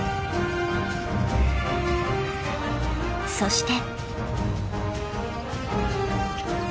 ［そして］